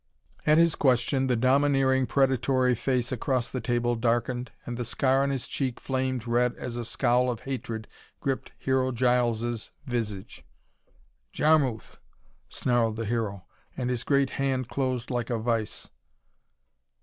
At his question the domineering, predatory face across the table darkened and the scar on his cheek flamed red as a scowl of hatred gripped Hero Giles' visage. "Jarmuth!" snarled the Hero, and his great hand closed like a vise.